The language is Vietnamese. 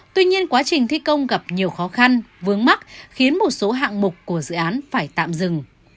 tuy nhiên quá trình thi công gặp nhiều khó khăn vướng mắt khiến một số hạng mục của dự án phải tạm dừng